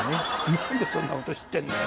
何でそんなこと知ってんだよ。